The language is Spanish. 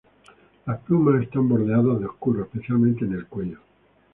Las plumas están bordeadas de oscuro, especialmente en el cuello.